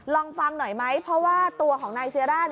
ลองฟังหน่อยไหมเพราะว่าตัวของนายเซียร่า